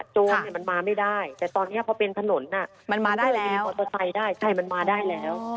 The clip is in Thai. โจรมันมาไม่ได้แต่ตอนนี้พอเป็นถนนมันมาได้แล้วมอเตอร์ไซค์ได้ใช่มันมาได้แล้ว